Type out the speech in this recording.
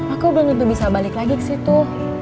aku belum tentu bisa balik lagi ke situ